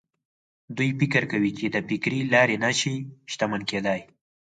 دوی فکر کوي چې د فکري لارې نه شي شتمن کېدای.